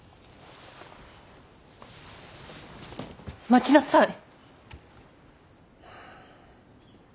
待ちなさい。